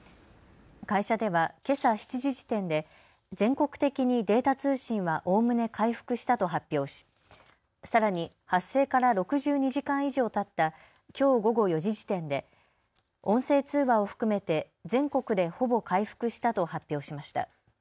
会社ではけさ７時時点で全国的にデータ通信はおおむね回復したと発表しさらに発生から６２時間以上たったきょう午後４時時点で音声通話を含めて全国でほぼ回復したと発表しました。